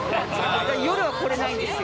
夜は来れないんですよ。